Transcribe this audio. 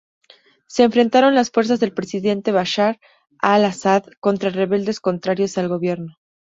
Se enfrentan las fuerzas del Presidente Bashar al-Asad contra rebeldes contrarios al gobierno.